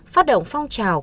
phát động phong trào